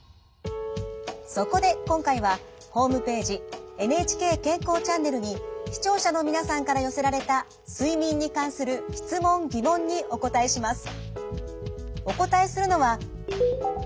そこで今回はホームページ「ＮＨＫ健康チャンネル」に視聴者の皆さんから寄せられた睡眠に関する質問疑問にお答えします。